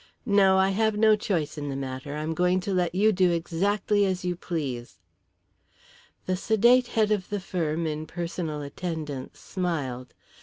No, I have no choice in the matter. I am going to let you do exactly as you please." The sedate head of the firm in personal attendance smiled.